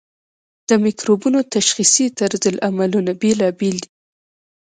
د مکروبونو تشخیصي طرزالعملونه بیلابیل دي.